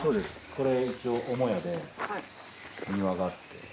これ一応母屋で庭があって。